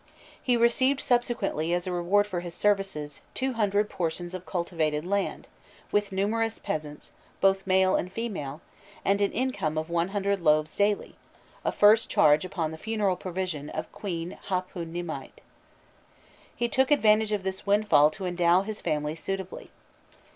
He received subsequently, as a reward for his services, two hundred portions of cultivated land, with numerous peasants, both male and female, and an income of one hundred loaves daily, a first charge upon the funeral provision of Queen Hâpûnimâit. He took advantage of this windfall to endow his family suitably.